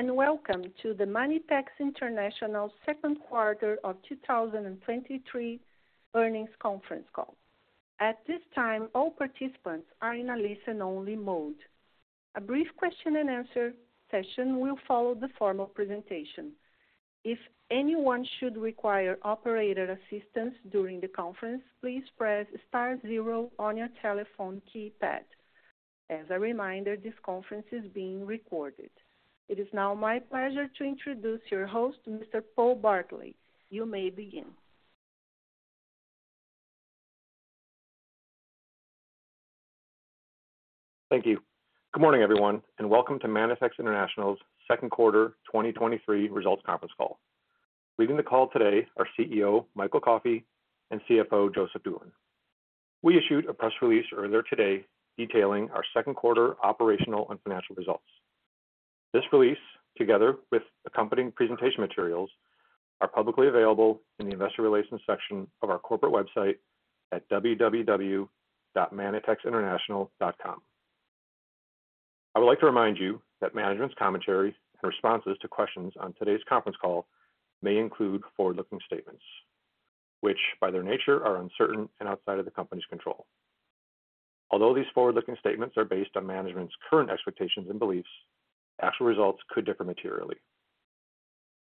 Welcome to the Manitex International Q2 2023 earnings conference call. At this time, all participants are in a listen-only mode. A brief question-and-answer session will follow the formal presentation. If anyone should require operator assistance during the conference, please press star zero on your telephone keypad. As a reminder, this conference is being recorded. It is now my pleasure to introduce your host, Mr. Paul Bartolai. You may begin. Thank you. Good morning, everyone, and welcome to Manitex International's Q2 2023 Results Conference Call. Leading the call today are CEO, Michael Coffey, and CFO, Joseph Doolan. We issued a press release earlier today detailing our Q2 operational and financial results. This release, together with accompanying presentation materials, are publicly available in the Investor Relations section of our corporate website at www.manitexinternational.com. I would like to remind you that management's commentary and responses to questions on today's conference call may include forward-looking statements, which by their nature, are uncertain and outside of the company's control. Although these forward-looking statements are based on management's current expectations and beliefs, actual results could differ materially.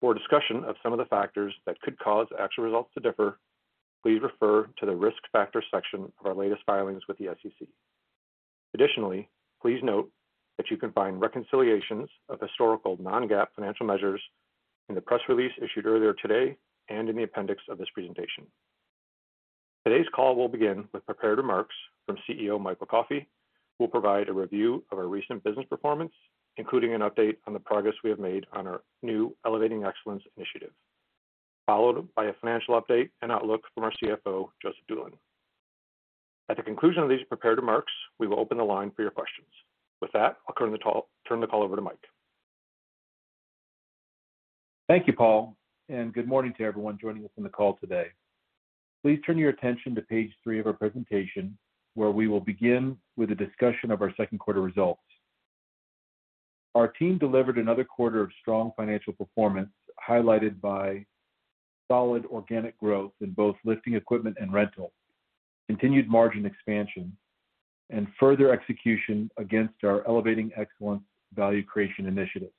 For a discussion of some of the factors that could cause actual results to differ, please refer to the Risk Factors section of our latest filings with the SEC. Additionally, please note that you can find reconciliations of historical non-GAAP financial measures in the press release issued earlier today, and in the appendix of this presentation. Today's call will begin with prepared remarks from CEO, Michael Coffey, who will provide a review of our recent business performance, including an update on the progress we have made on our new Elevating Excellence initiative, followed by a financial update and outlook from our CFO, Joseph Doolan. At the conclusion of these prepared remarks, we will open the line for your questions. With that, I'll turn the call over to Mike. Thank you, Paul, and good morning to everyone joining us on the call today. Please turn your attention to page three of our presentation, where we will begin with a discussion of our Q2 results. Our team delivered another quarter of strong financial performance, highlighted by solid organic growth in both lifting equipment and rental, continued margin expansion, and further execution against our Elevating Excellence value creation initiative.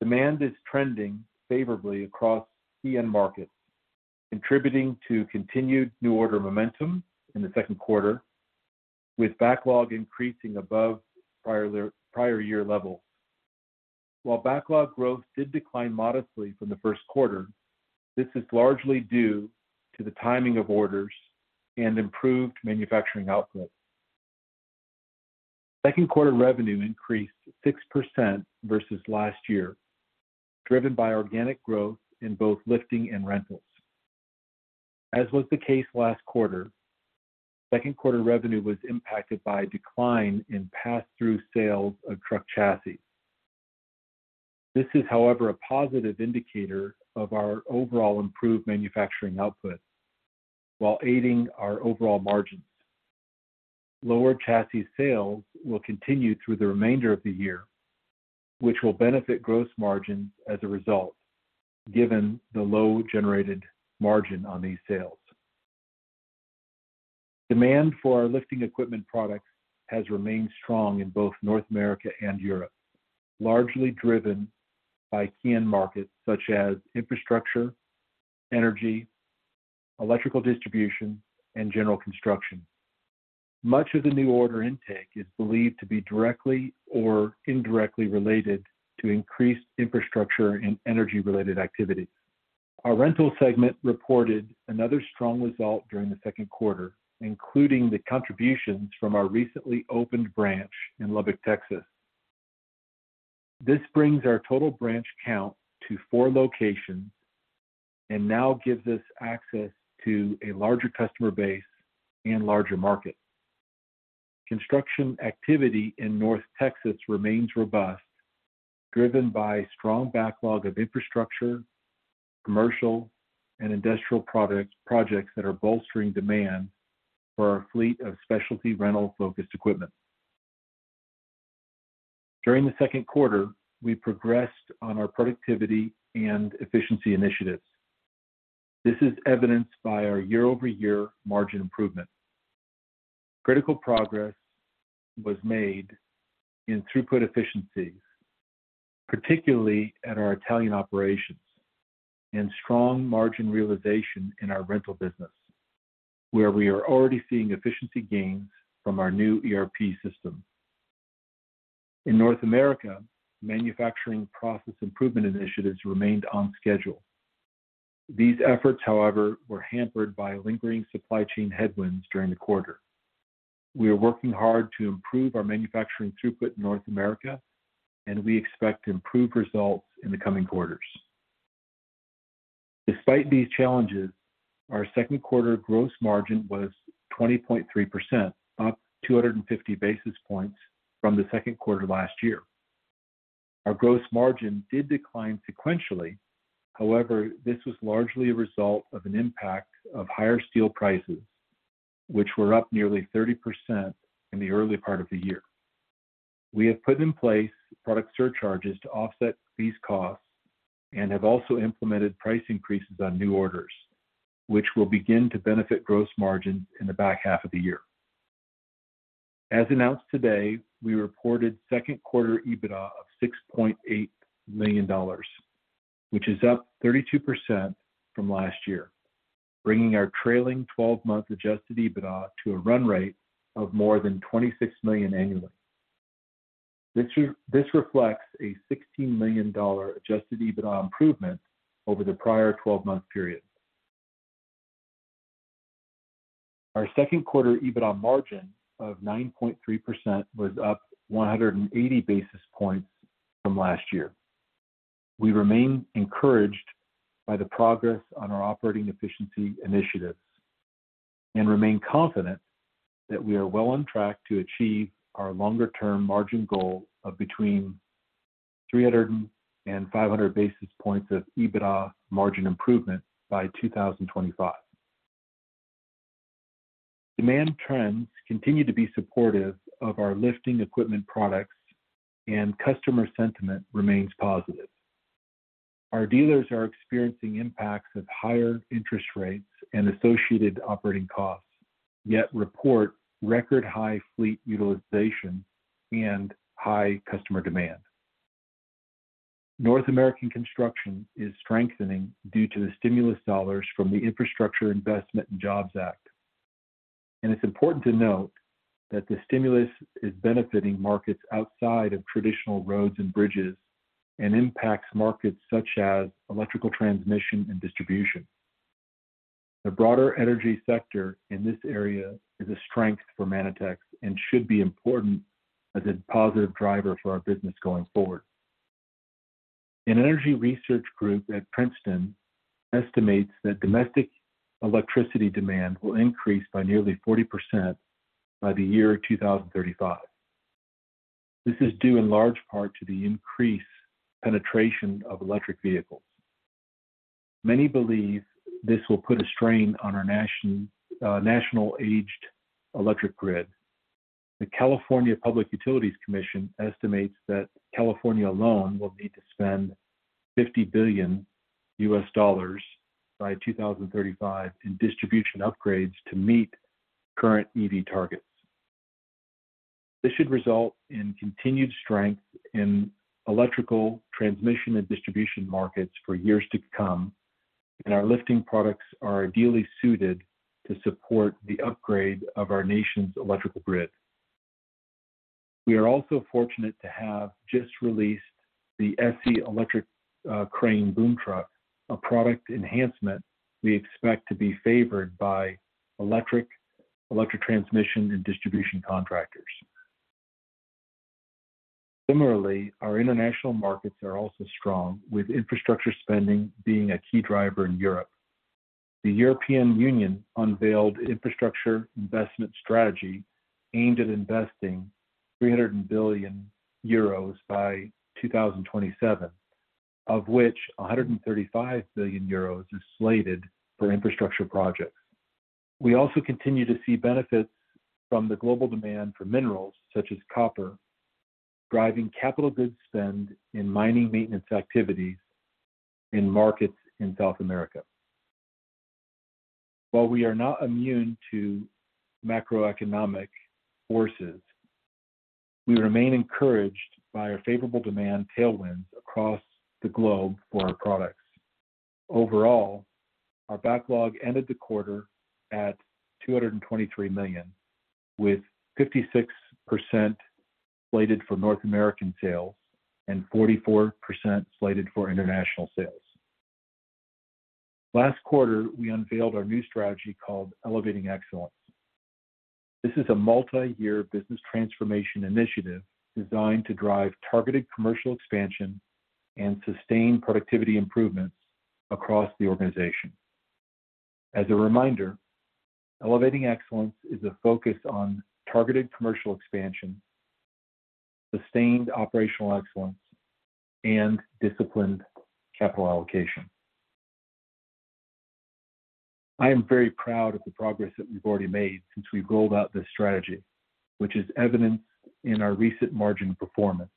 Demand is trending favorably across end markets, contributing to continued new order momentum in the Q2, with backlog increasing above prior year, prior year levels. While backlog growth did decline modestly from the Q1, this is largely due to the timing of orders and improved manufacturing output. Q2 revenue increased 6% versus last year, driven by organic growth in both lifting and rentals. As was the case last quarter, Q2 revenue was impacted by a decline in pass-through sales of truck chassis. This is, however, a positive indicator of our overall improved manufacturing output while aiding our overall margins. Lower chassis sales will continue through the remainder of the year, which will benefit gross margins as a result, given the low generated margin on these sales. Demand for our lifting equipment products has remained strong in both North America and Europe, largely driven by end markets such as infrastructure, energy, electrical distribution, and general construction. Much of the new order intake is believed to be directly or indirectly related to increased infrastructure and energy-related activity. Our rental segment reported another strong result during the Q2, including the contributions from our recently opened branch in Lubbock, Texas. This brings our total branch count to four locations and now gives us access to a larger customer base and larger market. Construction activity in North Texas remains robust, driven by strong backlog of infrastructure, commercial, and industrial projects that are bolstering demand for our fleet of specialty rental-focused equipment. During the Q2, we progressed on our productivity and efficiency initiatives. This is evidenced by our year-over-year margin improvement. Critical progress was made in throughput efficiencies, particularly at our Italian operations, and strong margin realization in our rental business, where we are already seeing efficiency gains from our new ERP system. In North America, manufacturing process improvement initiatives remained on schedule. These efforts, however, were hampered by lingering supply chain headwinds during the quarter. We are working hard to improve our manufacturing throughput in North America, and we expect improved results in the coming quarters. Despite these challenges, our Q2 gross margin was 20.3%, up 250 basis points from the Q2 last year. Our gross margin did decline sequentially. However, this was largely a result of an impact of higher steel prices, which were up nearly 30% in the early part of the year. We have put in place product surcharges to offset these costs and have also implemented price increases on new orders, which will begin to benefit gross margins in the back half of the year. As announced today, we reported Q2 EBITDA of $6.8 million, which is up 32% from last year, bringing our trailing 12-month adjusted EBITDA to a run rate of more than $26 million annually. This reflects a $16 million adjusted EBITDA improvement over the prior 12-month period. Our Q2 EBITDA margin of 9.3% was up 180 basis points from last year. We remain encouraged by the progress on our operating efficiency initiatives, and remain confident that we are well on track to achieve our longer-term margin goal of between 300 and 500 basis points of EBITDA margin improvement by 2025. Demand trends continue to be supportive of our lifting equipment products, and customer sentiment remains positive. Our dealers are experiencing impacts of higher interest rates and associated operating costs, yet report record-high fleet utilization and high customer demand. North American construction is strengthening due to the stimulus dollars from the Infrastructure Investment and Jobs Act. It's important to note that the stimulus is benefiting markets outside of traditional roads and bridges, and impacts markets such as electrical transmission and distribution. The broader energy sector in this area is a strength for Manitex, and should be important as a positive driver for our business going forward. An energy research group at Princeton estimates that domestic electricity demand will increase by nearly 40% by the year 2035. This is due in large part to the increased penetration of electric vehicles. Many believe this will put a strain on our nation’s aging electric grid. The California Public Utilities Commission estimates that California alone will need to spend $50 billion by 2035 in distribution upgrades to meet current EV targets. This should result in continued strength in electrical transmission and distribution markets for years to come, and our lifting products are ideally suited to support the upgrade of our nation's electrical grid. We are also fortunate to have just released the ECSY crane boom truck, a product enhancement we expect to be favored by electric transmission and distribution contractors. Our international markets are also strong, with infrastructure spending being a key driver in Europe. The European Union unveiled infrastructure investment strategy aimed at investing 300 billion euros by 2027, of which 135 billion euros is slated for infrastructure projects. We also continue to see benefits from the global demand for minerals, such as copper, driving capital goods spend in mining maintenance activities in markets in South America. While we are not immune to macroeconomic forces, we remain encouraged by our favorable demand tailwinds across the globe for our products. Overall, our backlog ended the quarter at $223 million, with 56% slated for North American sales and 44% slated for international sales. Last quarter, we unveiled our new strategy called Elevating Excellence. This is a multi-year business transformation initiative designed to drive targeted commercial expansion and sustain productivity improvements across the organization. As a reminder, Elevating Excellence is a focus on targeted commercial expansion, sustained operational excellence, and disciplined capital allocation. I am very proud of the progress that we've already made since we rolled out this strategy, which is evident in our recent margin performance.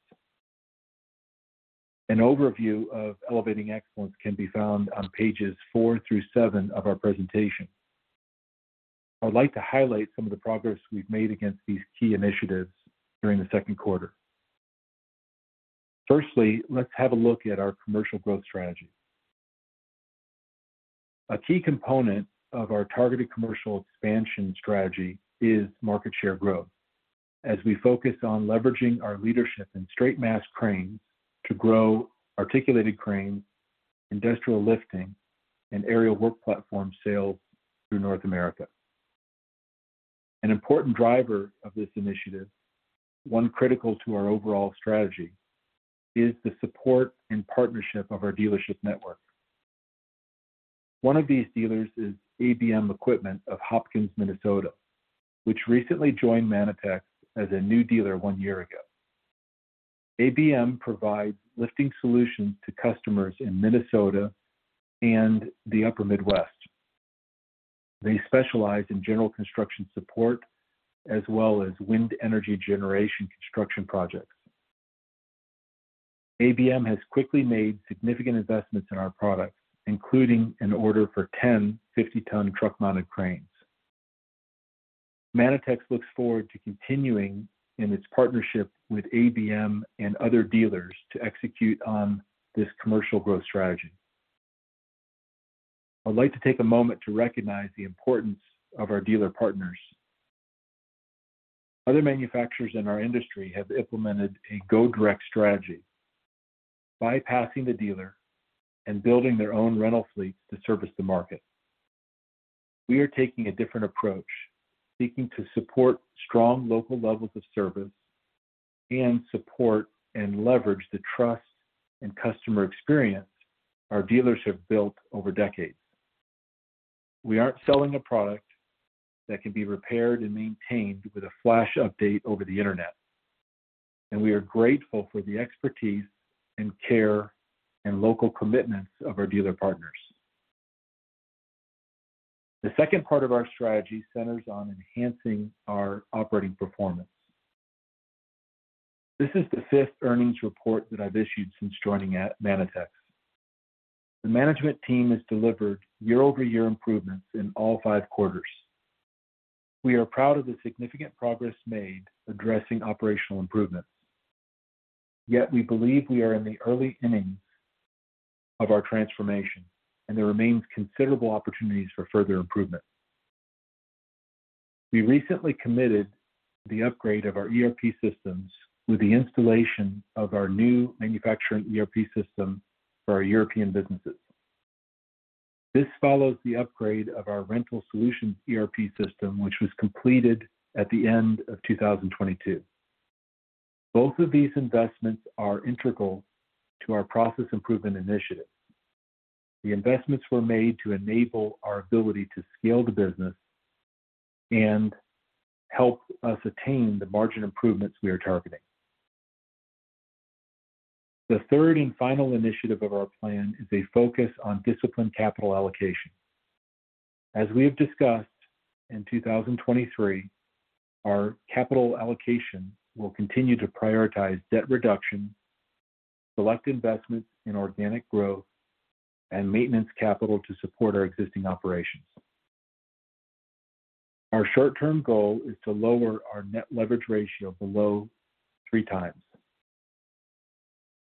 An overview of Elevating Excellence can be found on pages four through seven of our presentation. I'd like to highlight some of the progress we've made against these key initiatives during the Q2. Firstly, let's have a look at our commercial growth strategy. A key component of our targeted commercial expansion strategy is market share growth, as we focus on leveraging our leadership in straight-mast cranes to grow articulated cranes, industrial lifting, and aerial work platform sales through North America. An important driver of this initiative, one critical to our overall strategy, is the support and partnership of our dealership network. One of these dealers is ABM Equipment of Hopkins, Minnesota, which recently joined Manitex as a new dealer one year ago. ABM provides lifting solutions to customers in Minnesota and the Upper Midwest. They specialize in general construction support as well as wind energy generation construction projects. ABM has quickly made significant investments in our products, including an order for 10 50-ton truck-mounted cranes. Manitex looks forward to continuing in its partnership with ABM and other dealers to execute on this commercial growth strategy. I'd like to take a moment to recognize the importance of our dealer partners. Other manufacturers in our industry have implemented a go-direct strategy, bypassing the dealer and building their own rental fleets to service the market. We are taking a different approach, seeking to support strong local levels of service and support and leverage the trust and customer experience our dealers have built over decades. We aren't selling a product that can be repaired and maintained with a flash update over the internet, and we are grateful for the expertise and care and local commitments of our dealer partners. The second part of our strategy centers on enhancing our operating performance. This is the fifth earnings report that I've issued since joining at Manitex. The management team has delivered year-over-year improvements in all five quarters. We are proud of the significant progress made addressing operational improvements, yet we believe we are in the early innings of our transformation, and there remains considerable opportunities for further improvement. We recently committed to the upgrade of our ERP systems with the installation of our new manufacturing ERP system for our European businesses. This follows the upgrade of our rental solution ERP system, which was completed at the end of 2022. Both of these investments are integral to our process improvement initiative. The investments were made to enable our ability to scale the business and help us attain the margin improvements we are targeting. The third and final initiative of our plan is a focus on disciplined capital allocation. As we have discussed, in 2023, our capital allocation will continue to prioritize debt reduction, select investments in organic growth, and maintenance capital to support our existing operations. Our short-term goal is to lower our net leverage ratio below 3x.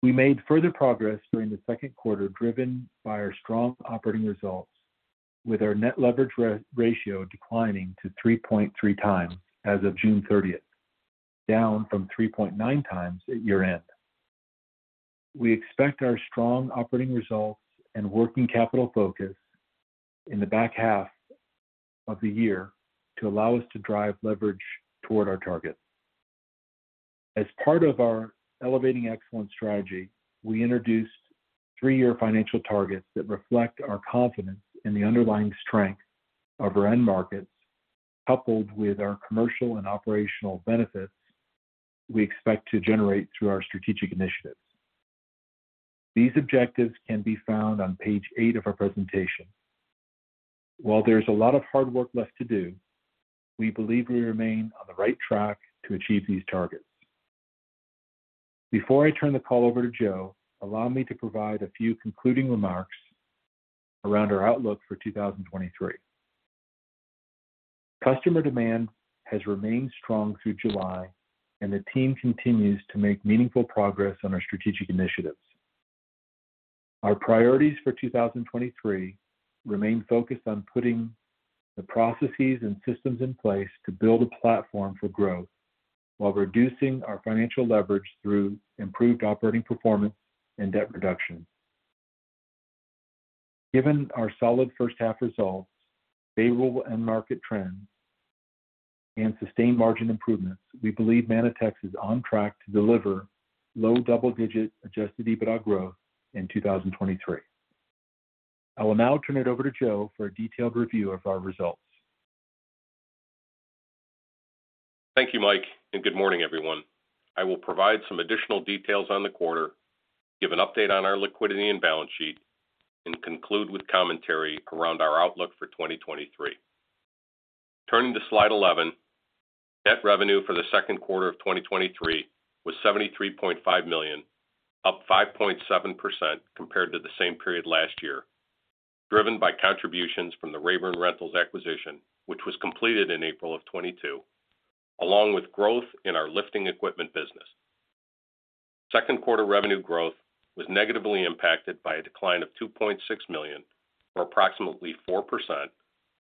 We made further progress during the Q2, driven by our strong operating results, with our net leverage ratio declining to 3.3x as of June 30th, down from 3.9x at year-end. We expect our strong operating results and working capital focus in the back half of the year to allow us to drive leverage toward our target. As part of our Elevating Excellence strategy, we introduced three-year financial targets that reflect our confidence in the underlying strength of our end markets, coupled with our commercial and operational benefits we expect to generate through our strategic initiatives. These objectives can be found on page eight of our presentation. While there's a lot of hard work left to do, we believe we remain on the right track to achieve these targets. Before I turn the call over to Joe, allow me to provide a few concluding remarks around our outlook for 2023. Customer demand has remained strong through July, and the team continues to make meaningful progress on our strategic initiatives. Our priorities for 2023 remain focused on putting the processes and systems in place to build a platform for growth while reducing our financial leverage through improved operating performance and debt reduction. Given our solid first half results, favorable end market trends, and sustained margin improvements, we believe Manitex is on track to deliver low double-digit adjusted EBITDA growth in 2023. I will now turn it over to Joe for a detailed review of our results. Thank you, Mike. Good morning, everyone. I will provide some additional details on the quarter, give an update on our liquidity and balance sheet, and conclude with commentary around our outlook for 2023. Turning to slide 11, net revenue for the Q2 of 2023 was $73.5 million, up 5.7% compared to the same period last year, driven by contributions from the Rabern Rentals acquisition, which was completed in April of 2022, along with growth in our lifting equipment business. Q2 revenue growth was negatively impacted by a decline of $2.6 million, or approximately 4%,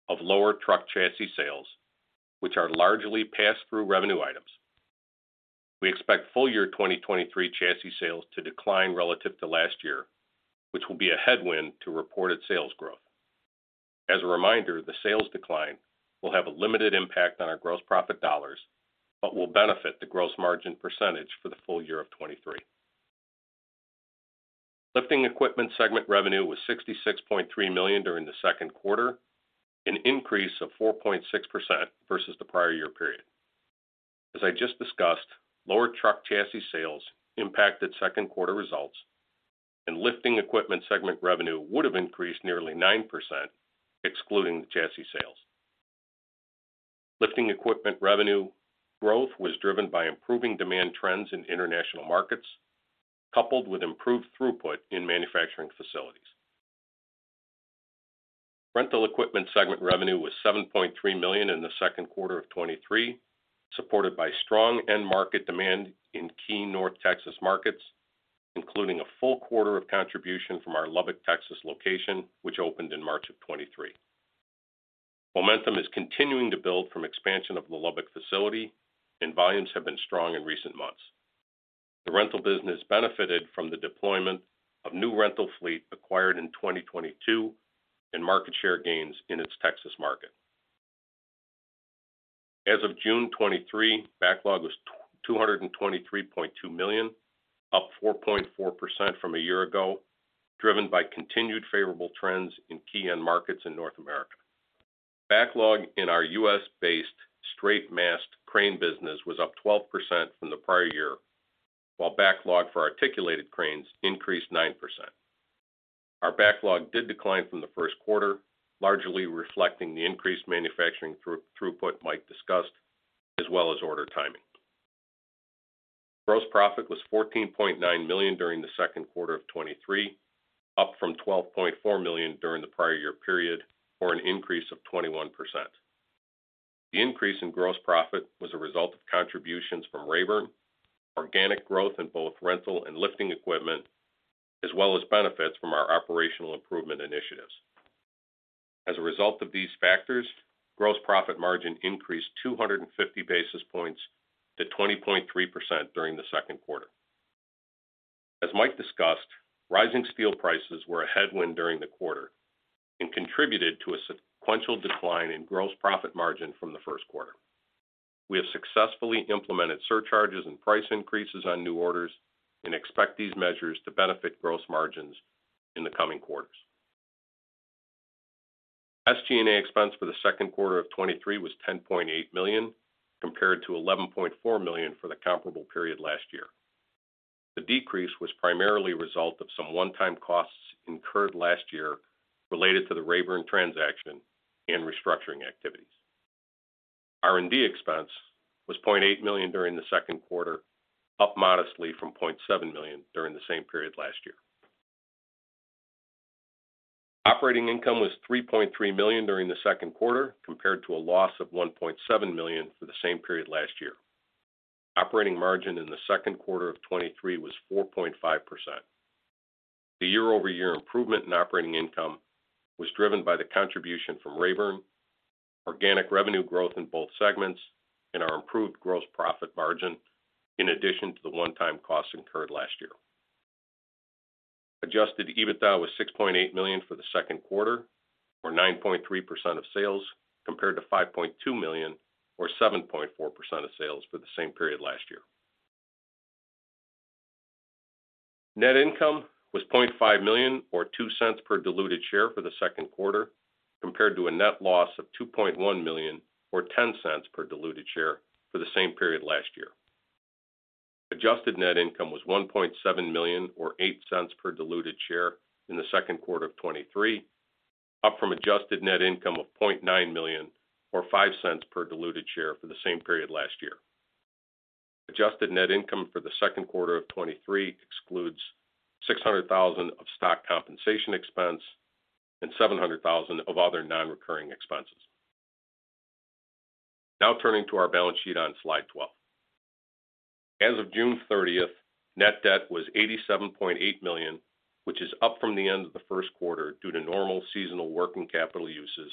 of lower truck chassis sales, which are largely pass-through revenue items. We expect full year 2023 chassis sales to decline relative to last year, which will be a headwind to reported sales growth. As a reminder, the sales decline will have a limited impact on our gross profit dollars, but will benefit the gross margin % for the full year of 2023. Lifting Equipment segment revenue was $66.3 million during the Q2, an increase of 4.6% versus the prior year period. As I just discussed, lower truck chassis sales impacted Q2 results and lifting equipment segment revenue would have increased nearly 9%, excluding the chassis sales. Lifting equipment revenue growth was driven by improving demand trends in international markets, coupled with improved throughput in manufacturing facilities. Rental Equipment segment revenue was $7.3 million in the Q2 of 2023, supported by strong end market demand in key North Texas markets, including a full quarter of contribution from our Lubbock, Texas, location, which opened in March of 2023. Momentum is continuing to build from expansion of the Lubbock facility. Volumes have been strong in recent months. The rental business benefited from the deployment of new rental fleet acquired in 2022 and market share gains in its Texas market. As of June 2023, backlog was $223.2 million, up 4.4% from a year ago, driven by continued favorable trends in key end markets in North America. Backlog in our U.S.-based straight-mast crane business was up 12% from the prior year, while backlog for articulated cranes increased 9%. Our backlog did decline from the Q1, largely reflecting the increased manufacturing throughput Mike discussed, as well as order timing. Gross profit was $14.9 million during the Q2 of 2023, up from $12.4 million during the prior year period, or an increase of 21%. The increase in gross profit was a result of contributions from Rabern, organic growth in both rental and lifting equipment, as well as benefits from our operational improvement initiatives. As a result of these factors, gross profit margin increased 250 basis points to 20.3% during the Q2. As Mike discussed, rising steel prices were a headwind during the quarter and contributed to a sequential decline in gross profit margin from the Q1. We have successfully implemented surcharges and price increases on new orders and expect these measures to benefit gross margins in the coming quarters. SG&A expense for the Q2 of 2023 was $10.8 million, compared to $11.4 million for the comparable period last year. The decrease was primarily a result of some one-time costs incurred last year related to the Rabern transaction and restructuring activities. R&D expense was $0.8 million during the Q2, up modestly from $0.7 million during the same period last year. Operating income was $3.3 million during the Q2, compared to a loss of $1.7 million for the same period last year. Operating margin in the Q2 of 2023 was 4.5%. The year-over-year improvement in operating income was driven by the contribution from Rabern, organic revenue growth in both segments, and our improved gross profit margin, in addition to the one-time costs incurred last year. Adjusted EBITDA was $6.8 million for the Q2, or 9.3% of sales, compared to $5.2 million, or 7.4% of sales for the same period last year. Net income was $0.5 million, or $0.02 per diluted share for the Q2, compared to a net loss of $2.1 million, or $0.10 per diluted share for the same period last year. Adjusted net income was $1.7 million, or $0.08 per diluted share in the Q2 of 2023, up from adjusted net income of $0.9 million, or $0.05 per diluted share for the same period last year. Adjusted net income for the Q2 of 2023 excludes $600,000 of stock compensation expense and $700,000 of other non-recurring expenses. Now turning to our balance sheet on slide 12. As of June 30th, net debt was $87.8 million, which is up from the end of the Q1 due to normal seasonal working capital uses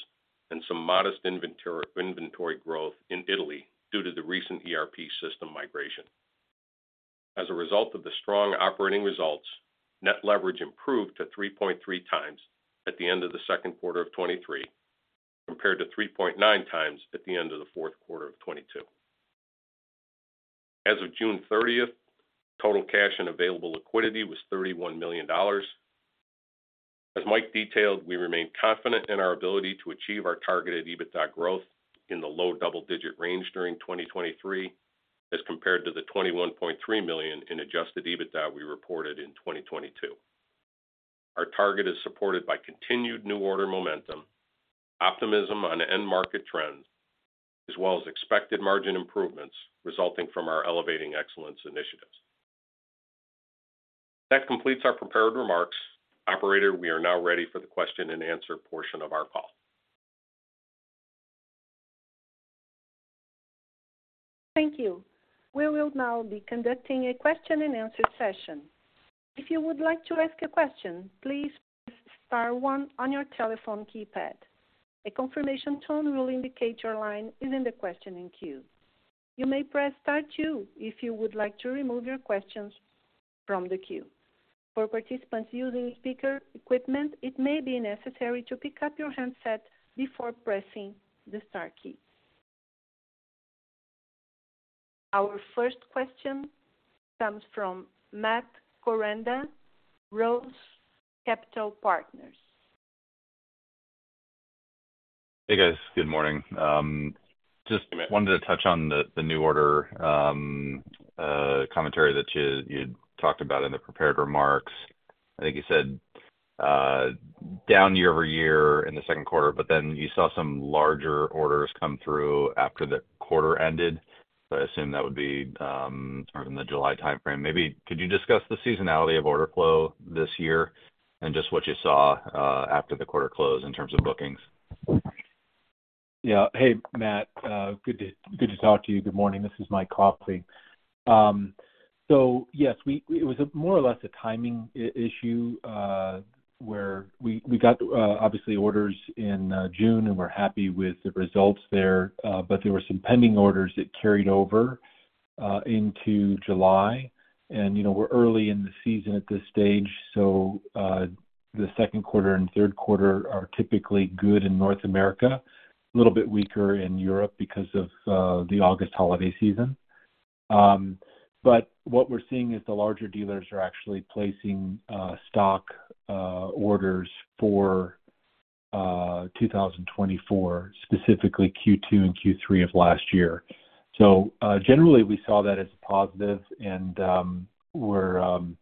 and some modest inventory growth in Italy due to the recent ERP system migration. As a result of the strong operating results, net leverage improved to 3.3x the end of the Q2 2023, compared to 3.9x at the end of the Q4 of 2022. As of June 30th, total cash and available liquidity was $31 million. As Mike detailed, we remain confident in our ability to achieve our targeted EBITDA growth in the low double-digit range during 2023, as compared to the $21.3 million in adjusted EBITDA we reported in 2022. Our target is supported by continued new order momentum, optimism on end market trends, as well as expected margin improvements resulting from our Elevating Excellence initiatives. That completes our prepared remarks. Operator, we are now ready for the question-and-answer portion of our call. Thank you. We will now be conducting a question-and-answer session. If you would like to ask a question, please press star one on your telephone keypad. A confirmation tone will indicate your line is in the questioning queue. You may press star two if you would like to remove your questions from the queue. For participants using speaker equipment, it may be necessary to pick up your handset before pressing the star key. Our first question comes from Matt Koranda, ROTH Capital Partners. Hey, guys. Good morning. Just wanted to touch on the, the new order commentary that you, you talked about in the prepared remarks. I think you said down year-over-year in the Q2. You saw some larger orders come through after the quarter ended. I assume that would be sort of in the July time frame. Could you discuss the seasonality of order flow this year and just what you saw after the quarter close in terms of bookings? Yeah. Hey, Matt, good to, good to talk to you. Good morning. This is Mike Coffey. Yes, it was more or less a timing issue, where we got obviously orders in June, and we're happy with the results there. There were some pending orders that carried over into July. You know, we're early in the season at this stage, so the Q2 and third quarter are typically good in North America, a little bit weaker in Europe because of the August holiday season. What we're seeing is the larger dealers are actually placing stock orders for 2024, specifically Q2 and Q3 of last year. Generally, we saw that as a positive and we're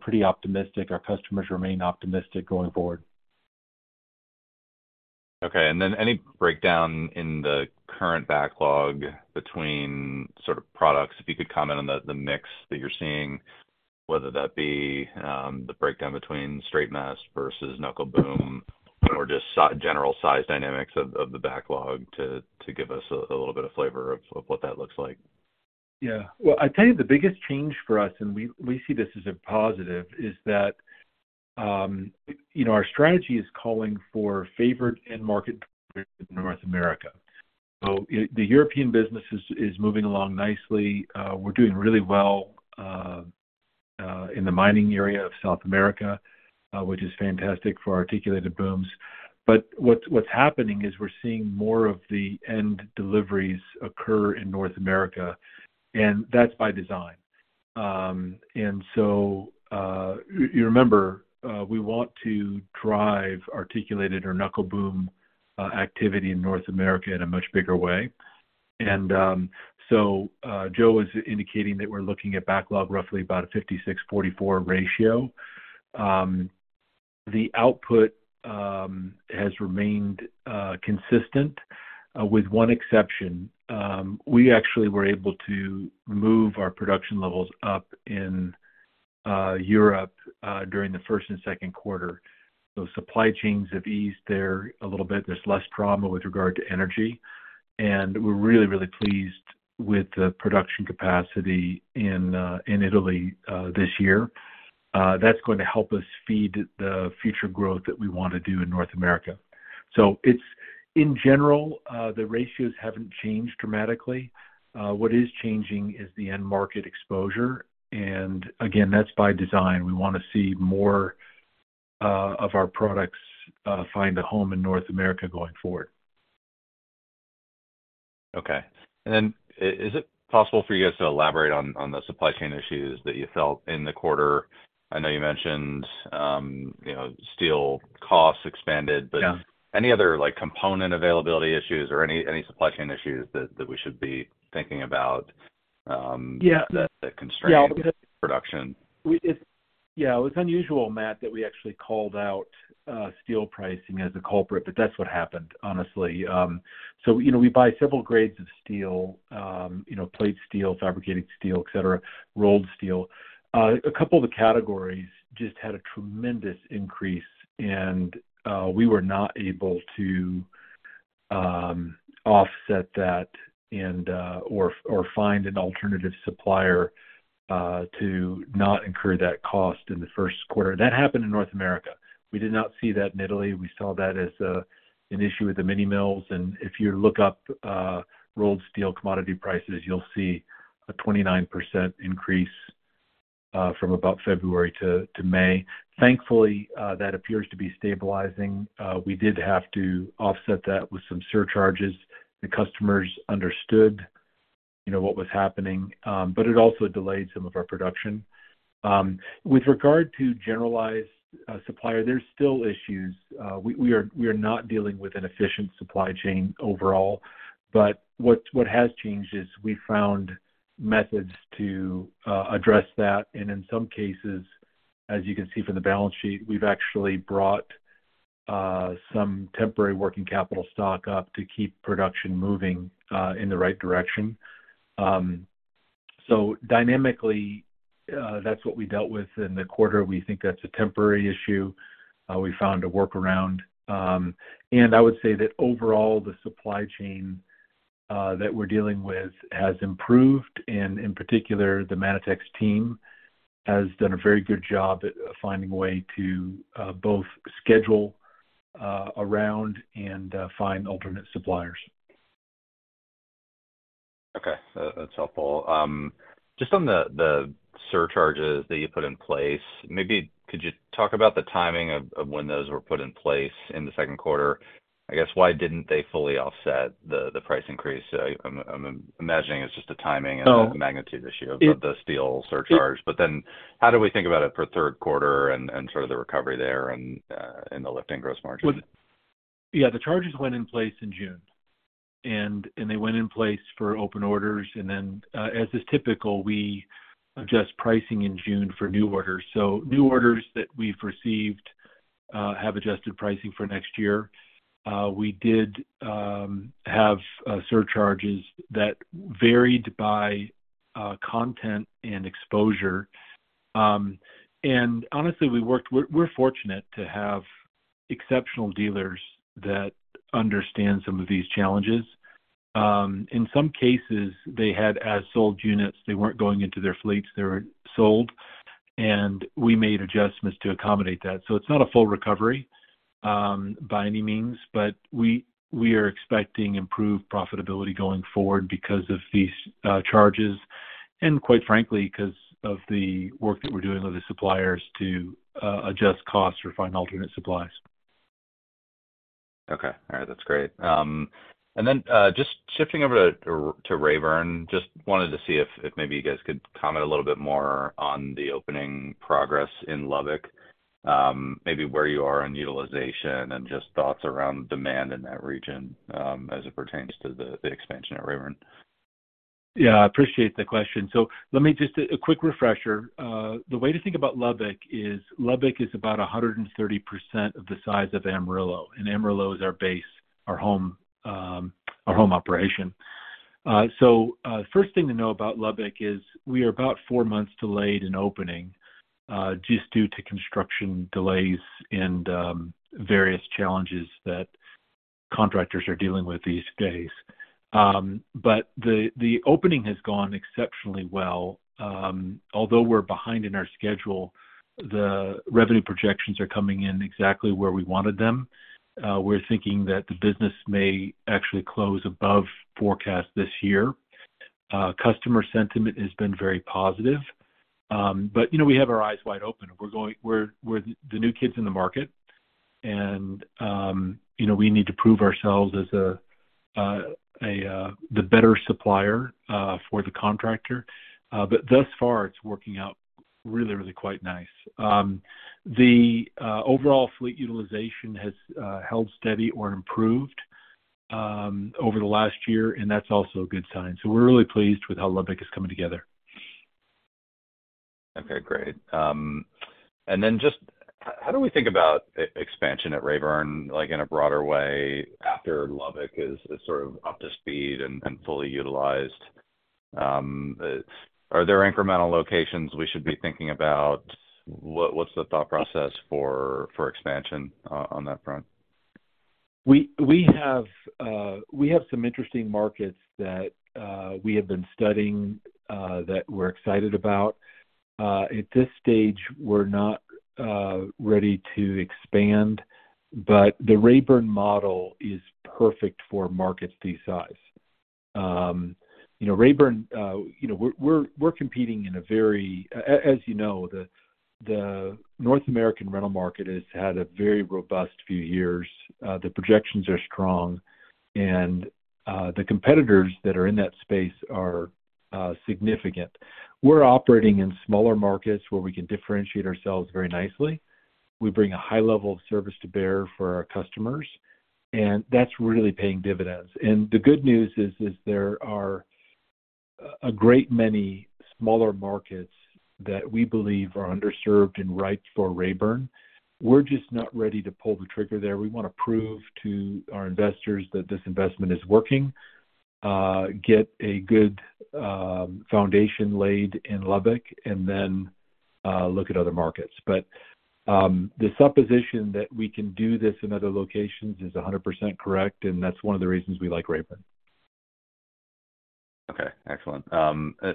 pretty optimistic. Our customers remain optimistic going forward. Okay, and then any breakdown in the current backlog between sort of products? If you could comment on the, the mix that you're seeing, whether that be, the breakdown between straight-mast versus knuckle boom or just general size dynamics of, of the backlog to, to give us a, a little bit of flavor of, of what that looks like. Yeah. Well, I'd tell you the biggest change for us, and we, we see this as a positive, is that, you know, our strategy is calling for favored end market North America. The European business is, is moving along nicely. We're doing really well in the mining area of South America, which is fantastic for articulated booms. What's, what's happening is we're seeing more of the end deliveries occur in North America, and that's by design. You remember, we want to drive articulated or knuckle boom activity in North America in a much bigger way. Joe was indicating that we're looking at backlog roughly about a 56/44 ratio. The output has remained consistent with one exception. We actually were able to move our production levels up in Europe during the first and Q2. Supply chains have eased there a little bit. There's less drama with regard to energy, and we're really, really pleased with the production capacity in Italy this year. That's going to help us feed the future growth that we want to do in North America. It's, in general, the ratios haven't changed dramatically. What is changing is the end market exposure, and again, that's by design. We want to see more of our products find a home in North America going forward. Okay. Then is it possible for you guys to elaborate on, on the supply chain issues that you felt in the quarter? I know you mentioned, you know, steel costs expanded- Yeah. Any other, like, component availability issues or any, any supply chain issues that, that we should be thinking about. Yeah that, that constrained production? We, yeah, it was unusual, Matt, that we actually called out steel pricing as a culprit, but that's what happened, honestly. You know, we buy several grades of steel, you know, plate steel, fabricated steel, et cetera, rolled steel. A couple of the categories just had a tremendous increase, and we were not able to offset that or find an alternative supplier to not incur that cost in the Q1. That happened in North America. We did not see that in Italy. We saw that as an issue with the mini mills. If you look up rolled steel commodity prices, you'll see a 29% increase from about February to May. Thankfully, that appears to be stabilizing. We did have to offset that with some surcharges. The customers understood, you know, what was happening, but it also delayed some of our production. With regard to generalized supplier, there's still issues. We, we are, we are not dealing with an efficient supply chain overall, but what, what has changed is we found methods to address that, and in some cases, as you can see from the balance sheet, we've actually brought some temporary working capital stock up to keep production moving in the right direction. Dynamically, that's what we dealt with in the quarter. We think that's a temporary issue, we found a workaround. I would say that overall, the supply chain that we're dealing with has improved, and in particular, the Manitex team has done a very good job at finding a way to both schedule around and find alternate suppliers. Okay, that, that's helpful. Just on the surcharges that you put in place. Maybe could you talk about the timing of, of when those were put in place in the Q2? I guess, why didn't they fully offset the, the price increase? I, I'm, I'm imagining it's just a timing and a magnitude issue of the steel surcharge. How do we think about it for third quarter and, and sort of the recovery there and in the lifting gross margin? Well, yeah, the charges went in place in June, and they went in place for open orders. Then, as is typical, we adjust pricing in June for new orders. New orders that we've received, have adjusted pricing for next year. We did have surcharges that varied by content and exposure. Honestly, we worked, we're fortunate to have exceptional dealers that understand some of these challenges. In some cases, they had as sold units, they weren't going into their fleets, they were sold, and we made adjustments to accommodate that. It's not a full recovery, by any means, but we, we are expecting improved profitability going forward because of these charges, and quite frankly, because of the work that we're doing with the suppliers to adjust costs or find alternate supplies. Okay. All right, that's great. Then, just shifting over to, to Rabern, just wanted to see if, if maybe you guys could comment a little bit more on the opening progress in Lubbock, maybe where you are in utilization and just thoughts around demand in that region, as it pertains to the, the expansion at Rabern? Yeah, I appreciate the question. Let me just, a quick refresher. The way to think about Lubbock is, Lubbock is about 130% of the size of Amarillo, and Amarillo is our base, our home, our home operation. First thing to know about Lubbock is we are about four months delayed in opening, just due to construction delays and various challenges that contractors are dealing with these days. The, the opening has gone exceptionally well. Although we're behind in our schedule, the revenue projections are coming in exactly where we wanted them. We're thinking that the business may actually close above forecast this year. Customer sentiment has been very positive. You know, we have our eyes wide open. We're, we're the new kids in the market, and, you know, we need to prove ourselves as a, a, the better supplier for the contractor. Thus far, it's working out really, really quite nice. The overall fleet utilization has held steady or improved over the last year, and that's also a good sign. We're really pleased with how Lubbock is coming together. Okay, great. Just how do we think about expansion at Rabern, like in a broader way, after Lubbock is, is sort of up to speed and fully utilized? Are there incremental locations we should be thinking about? What, what's the thought process for expansion on that front? We, we have, we have some interesting markets that we have been studying, that we're excited about. At this stage, we're not ready to expand, but the Rabern model is perfect for markets this size. You know, Rabern, you know, we're, we're competing in a very. As you know, the North American rental market has had a very robust few years. The projections are strong, the competitors that are in that space are significant. We're operating in smaller markets where we can differentiate ourselves very nicely. We bring a high level of service to bear for our customers, and that's really paying dividends. The good news is, is there are a, a great many smaller markets that we believe are underserved and right for Rabern. We're just not ready to pull the trigger there. We want to prove to our investors that this investment is working, get a good, foundation laid in Lubbock, and then, look at other markets. The supposition that we can do this in other locations is 100% correct, and that's one of the reasons we like Rabern. Okay, excellent.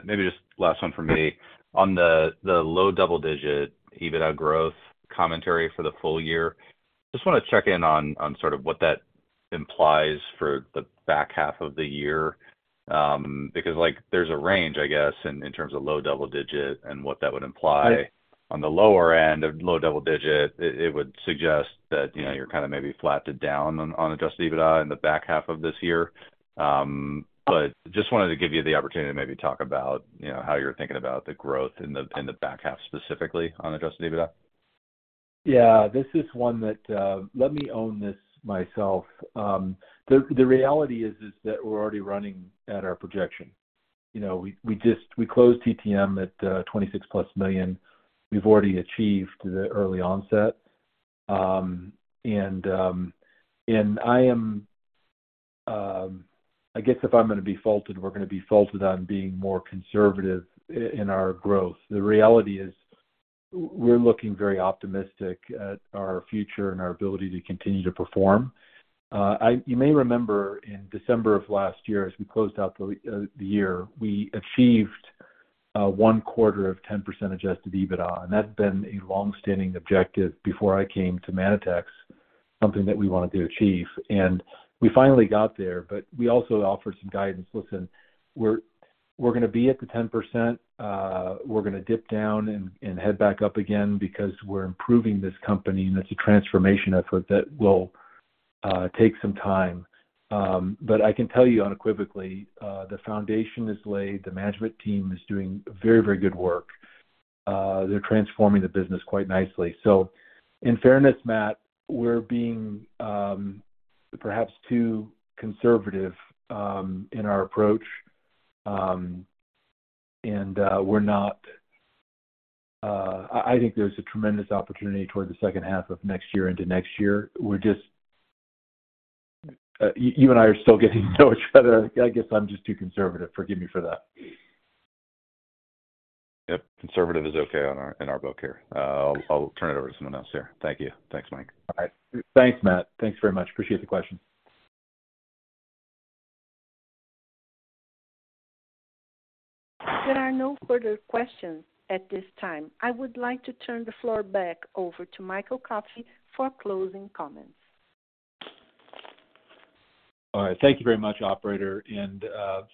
Maybe just last one for me. On the low double-digit EBITDA growth commentary for the full year, just want to check in on sort of what that implies for the back half of the year. Because, like, there's a range, I guess, in terms of low double digit and what that would imply. Right. On the lower end of low double digit, it, it would suggest that, you know, you're kind of maybe flat to down on, on adjusted EBITDA in the back half of this year. Just wanted to give you the opportunity to maybe talk about, you know, how you're thinking about the growth in the, in the back half, specifically on adjusted EBITDA. Yeah, this is one that, let me own this myself. The reality is, is that we're already running at our projection. You know, we closed TTM at $26+ million. We've already achieved the early onset. I guess if I'm going to be faulted, we're going to be faulted on being more conservative in our growth. The reality is, we're looking very optimistic at our future and our ability to continue to perform. You may remember in December of last year, as we closed out the year, we achieved 1 quarter of 10% adjusted EBITDA. That's been a long-standing objective before I came to Manitex. Something that we wanted to achieve, and we finally got there. We also offered some guidance. Unequivocally, the foundation is laid, the management team is doing very, very good work. They're transforming the business quite nicely. So in fairness, Matt Koranda, we're being perhaps too conservative in our approach. And we're not, I think there's a tremendous opportunity towards the H2 of next year into next year. We're just, you and I are still getting to know each other. I guess I'm just too conservative. Forgive me for that. Yep, conservative is okay in our book here. I'll turn it over to someone else here. Thank you. Thanks, Mike. All right. Thanks, Matt. Thanks very much. Appreciate the question. There are no further questions at this time. I would like to turn the floor back over to Michael Coffey for closing comments. All right. Thank you very much, operator.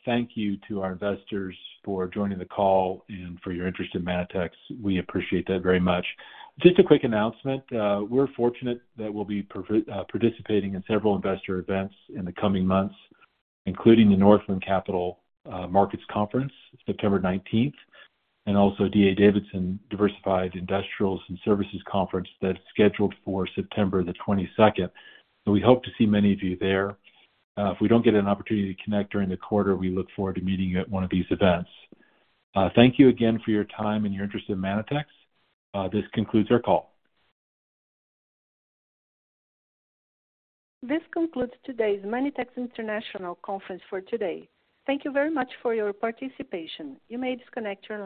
Thank you to our investors for joining the call and for your interest in Manitex. We appreciate that very much. Just a quick announcement. We're fortunate that we'll be participating in several investor events in the coming months, including the Northland Capital Markets Conference, September 19th, and also D.A. Davidson Diversified Industrials and Services Conference that's scheduled for September the 22nd. We hope to see many of you there. If we don't get an opportunity to connect during the quarter, we look forward to meeting you at one of these events. Thank you again for your time and your interest in Manitex. This concludes our call. This concludes today's Manitex International conference for today. Thank you very much for your participation. You may disconnect your line.